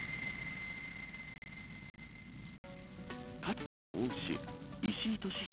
かつての恩師石井利広